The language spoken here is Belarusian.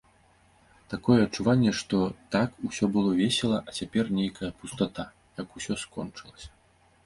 Такое адчуванне, што так усё было весела, а цяпер нейкая пустата, як усё скончылася.